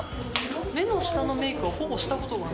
目の下のメイクはほぼしたことがない。